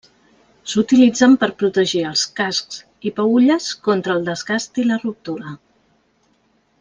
S'utilitzen per a protegir els cascs i peülles contra el desgast i la ruptura.